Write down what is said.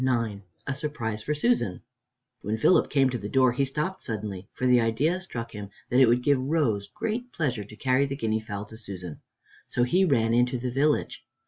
IX A SURPRISE FOR SUSAN When Philip came to the door he stopped suddenly, for the idea struck him that it would give Rose great pleasure to carry the guinea fowl to Susan. So he ran into the village.